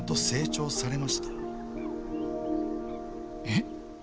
えっ？